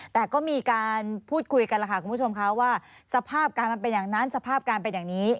แต่ก็มีการพูดคุยกันแล้วค่ะคุณผู้ชมค่ะว่าสภาพการมันเป็นอย่างนั้นสภาพการเป็นอย่างนี้